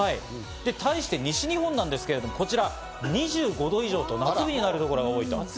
対して西日本ですが、２５度以上と夏日になるところが多い。